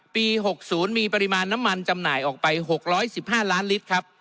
ปี๖๐มีปริมาณน้ำมันจำหน่ายออกไป๖๑๕ล้านลิตรครับ